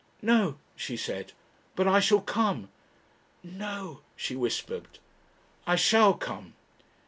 "No," she said. "But I shall come." "No," she whispered. "I shall come."